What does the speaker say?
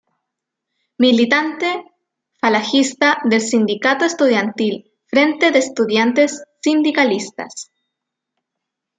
Militante falangista del sindicato estudiantil Frente de Estudiantes Sindicalistas.